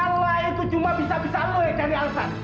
allah itu cuma bisa bisa lo yang jadi alasan